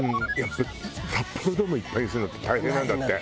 札幌ドームをいっぱいにするのって大変なんだって。